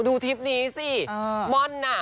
ทริปนี้สิม่อนน่ะ